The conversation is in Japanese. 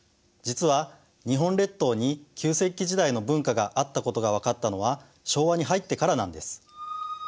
実は日本列島に旧石器時代の文化があったことが分かったのは昭和に入ってからなんです。